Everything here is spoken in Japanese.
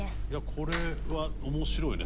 これは面白いね。